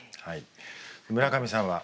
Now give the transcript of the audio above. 村上さんは？